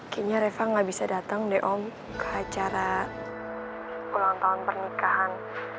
kayaknya reva gak bisa datang deh om ke acara ulang tahun pernikahan